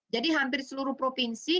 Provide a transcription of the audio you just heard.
jadi hampir seluruh provinsi